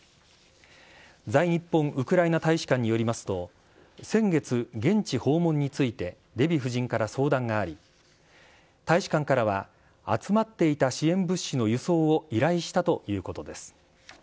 在日本ウクライナ大使館によりますと、先月、現地訪問についてデヴィ夫人から相談があり、大使館からは集まっていた支援物資の輸送を依頼したということです。